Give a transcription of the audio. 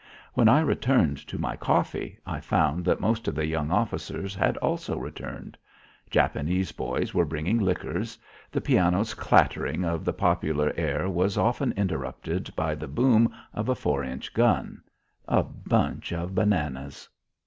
When I returned to my coffee I found that most of the young officers had also returned. Japanese boys were bringing liquors. The piano's clattering of the popular air was often interrupted by the boom of a four inch gun. A bunch of bananas!